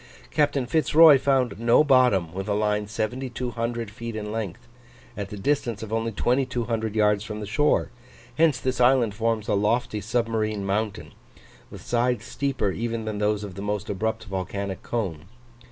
Captain Fitz Roy found no bottom with a line 7200 feet in length, at the distance of only 2200 yards from the shore; hence this island forms a lofty submarine mountain, with sides steeper even than those of the most abrupt volcanic cone.